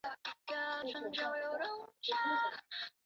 吴城杯殖吸虫为同盘科杯殖属的动物。